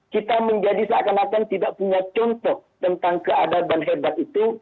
kita menjadi seakan akan tidak punya contoh tentang keadaban hebat itu